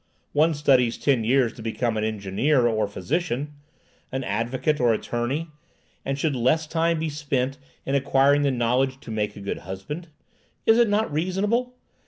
One studies ten years to become an engineer or physician, an advocate or attorney, and should less time be spent in acquiring the knowledge to make a good husband? Is it not reasonable?